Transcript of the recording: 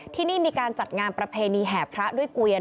ที่นี่มีการจัดงานประเพณีแห่พระด้วยเกวียน